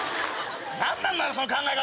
何なんだよその考え方！